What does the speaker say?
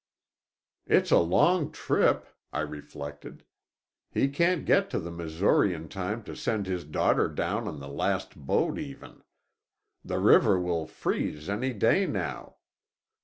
"It's a long trip," I reflected. "He can't get to the Missouri in time to send his daughter down on the last boat, even. The river will freeze any day now.